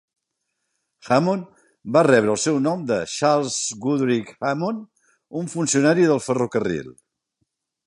Hammond va rebre el seu nom de Charles Goodrich Hammond, un funcionari del ferrocarril.